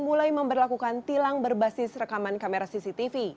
mulai memperlakukan tilang berbasis rekaman kamera cctv